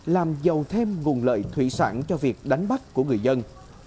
làm giàu thêm nguồn lợi thủy sản cho việc đánh bắt của người dân